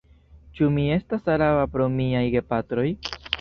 Ĉu mi estas araba pro miaj gepatroj?